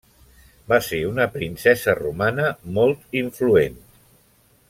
Va ser una princesa romana molt influent.